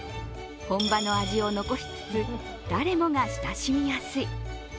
本場の味を残しつつ誰もが親しみやすい。